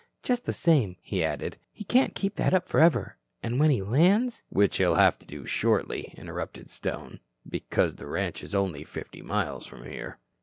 Just the same," he added, "he can't keep that up forever, and when he lands " "Which he'll have to do shortly," interrupted Stone, "because the ranch is only fifty miles from here."